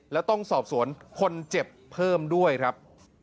แล้วต้องสอบสวนคนเจ็บเพิ่มด้วยครับ